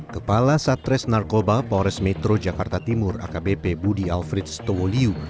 kepala satres narkoba polres metro jakarta timur akbp budi alfred stowoliu